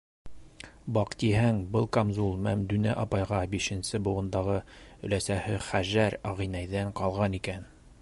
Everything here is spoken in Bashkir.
Баҡтиһәң, был камзул Мәмдүнә апайға бишенсе быуындағы өләсәһе Хәжәр ағинәйҙән ҡалған икән.